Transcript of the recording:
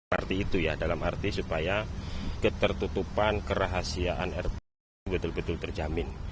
seperti itu ya dalam arti supaya ketertutupan kerahasiaan rp betul betul terjamin